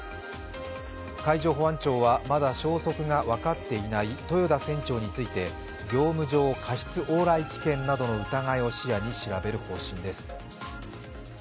海上保安庁は、まだ消息が分かっていない豊田船長について、業務上過失往来危険などの疑いを視野に調べる方針です。